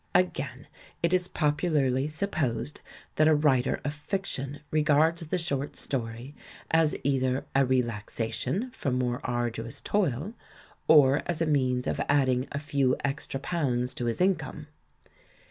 Again, it is popularly supposed that a writer of fiction regards the short story as either a relaxation from more arduous toil or as a means of adding & few extra pounds to his income.